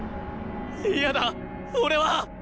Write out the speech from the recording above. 嫌だ俺は！